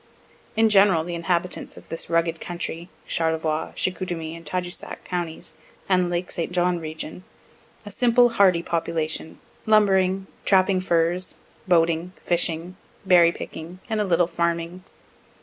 In general the inhabitants of this rugged country (Charlevoix, Chicoutimi and Tadousac counties, and lake St. John region) a simple, hardy population, lumbering, trapping furs, boating, fishing, berry picking and a little farming.